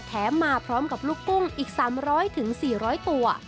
มาพร้อมกับลูกกุ้งอีก๓๐๐๔๐๐ตัว